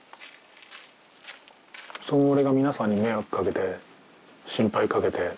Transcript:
その俺が皆さんに迷惑かけて心配かけて。